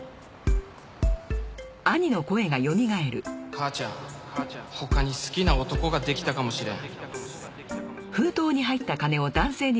母ちゃん他に好きな男ができたかもしれん。